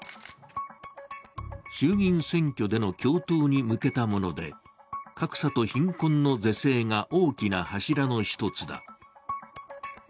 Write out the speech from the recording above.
衆議院選挙での共闘に向けたもので格差と貧困の是正が大きな柱の１つだ。